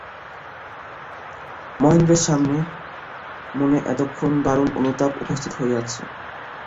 মহেন্দ্রের মনে এক্ষণে দারুণ অনুতাপ উপস্থিত হইয়াছে।